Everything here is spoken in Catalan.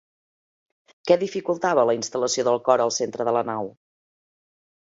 Què dificultava la instal·lació del cor al centre de la nau?